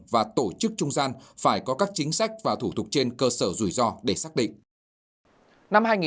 và tổ chức trung gian phải có các chính sách và thủ tục trên cơ sở rủi ro để xác định